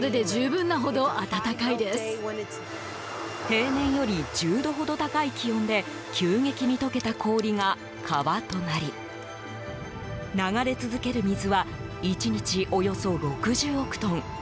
平年より１０度ほど高い気温で急激に溶けた氷が川となり流れ続ける水は１日、およそ６０億トン。